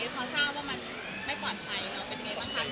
พอทราบว่ามันไม่ปลอดภัยเราเป็นไงบ้างคะ